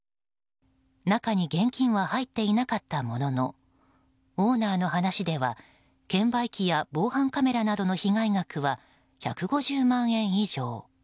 中に現金は入っていなかったもののオーナーの話では券売機や防犯カメラなどの被害額は、１５０万円以上。